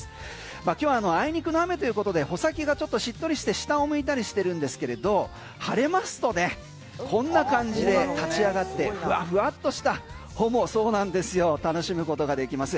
今日あいにくの雨ということで穂先がちょっとしっとりして下を向いたりしてるんですけれど晴れますとこんな感じで立ち上がってふわっふわっとした穂も楽しむことができます。